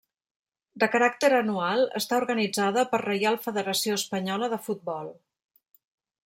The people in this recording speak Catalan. De caràcter anual, està organitzada per Reial Federació Espanyola de Futbol.